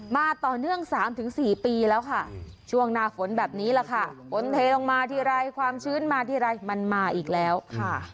มาต่อเนื่อง๓๔ปีแล้วค่ะช่วงหน้าฝนแบบนี้แหละค่ะฝนเทลงมาทีไรความชื้นมาทีไรมันมาอีกแล้วค่ะ